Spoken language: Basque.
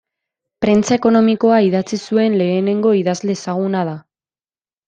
Prentsa ekonomikoa idatzi zuen lehenengo idazle ezaguna da.